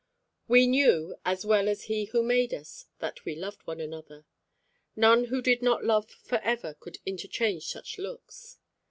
We knew, as well as He who made us, that we loved one another. None who did not love for ever could interchange such looks.